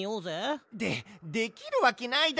でできるわけないだろ。